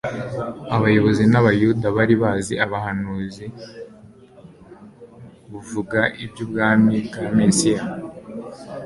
Abayobozi b'abayuda bari bazi ubuhanuzi buvuga iby'ubwami bwa Mesiya,